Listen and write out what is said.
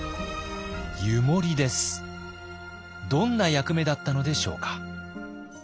どんな役目だったのでしょうか。